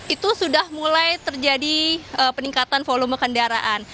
itu sudah mulai terjadi peningkatan volume kendaraan